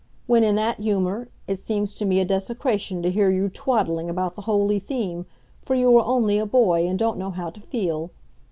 When in that humour, it seems to me a desecration to hear you twaddling about the holy theme, for you are only a boy, and don't know how to feel.